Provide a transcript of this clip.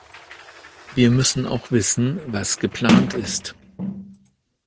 Wir müssen auch wissen, was geplant ist.